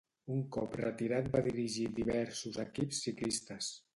Un cop retirat va dirigir diversos equips ciclistes.